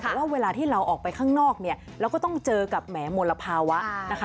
แต่ว่าเวลาที่เราออกไปข้างนอกเนี่ยเราก็ต้องเจอกับแหมมลภาวะนะคะ